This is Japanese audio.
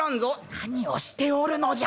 「何をしておるのじゃ！